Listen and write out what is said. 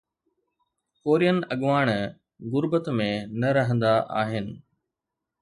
Korean اڳواڻ غربت ۾ نه رهندا آهن.